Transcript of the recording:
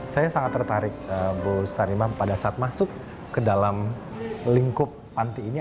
saya sangat tertarik bu sarimah pada saat masuk ke dalam lingkup panti ini